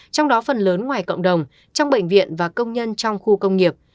trong đó phần lớn ngoài cộng đồng trong bệnh viện và công nhân trong khu công nghiệp